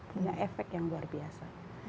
punya efek yang luar biasa